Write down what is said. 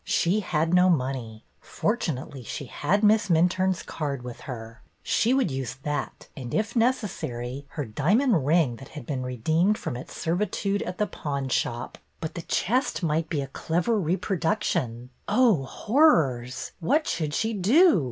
She had no money. Fortunately, she had Miss Minturne's card with her. She would use that, and, if necessary, her diamond ring that had been redeemed from its servitude at the pawnshop. But the chest might be a clever reproduction. Oh, horrors ! What should she do